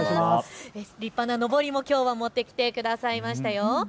立派なのぼりも持ってきてくださいましたよ。